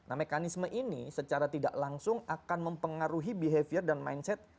nah mekanisme ini secara tidak langsung akan mempengaruhi behavior dan mindset